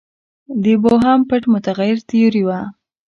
د بوهم پټ متغیر تیوري وه.